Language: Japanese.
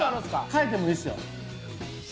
変えてもいいですよ。